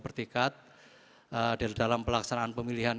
bertekad dalam pelaksanaan pemilihan